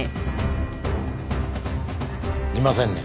いませんね。